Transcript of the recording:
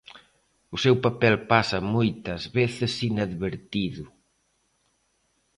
O seu papel pasa moitas veces inadvertido.